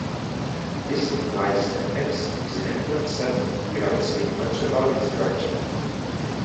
This implies that "x" is an infinite set without saying much about its structure.